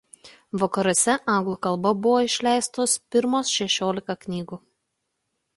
Vakaruose anglų kalba buvo išleistos pirmos šešiolika knygų.